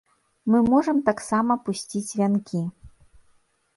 Мы можам таксама пусціць вянкі.